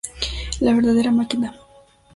La Verdadera Maquina